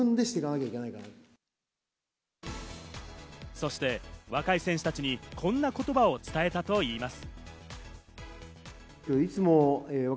そして若い選手たちにこんな言葉を伝えたといいます。